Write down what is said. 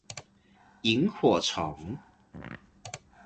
螢火蟲